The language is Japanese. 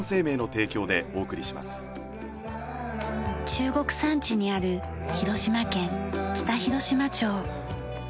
中国山地にある広島県北広島町。